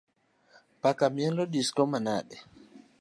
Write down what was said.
Paka mielo disko manade?